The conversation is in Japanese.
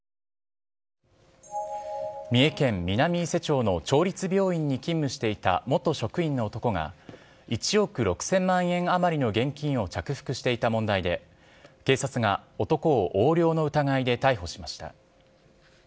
三重県南伊勢町の町立病院に勤務していた元職員の男が１億６０００万円あまりの現金を着服していた問題で警察が男を横領の疑いで逮捕しました。